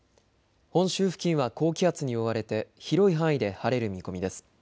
本州付近は高気圧に覆われて広い範囲で晴れる見込みです。